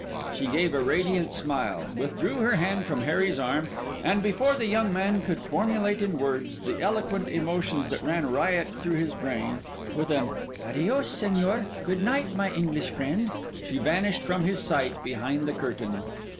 She gave a radiant smile; withdrew her hand from Harry's arm; and before the young man could formulate in words the eloquent emotions that ran riot through his brain—with an 'Adios, Señor: good night, my English friend,' she vanished from his sight behind the curtain.